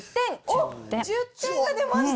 おっ１０点が出ました！